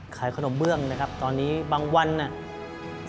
ขายขนมเบื้องนะครับตอนนี้บางวันน่ะ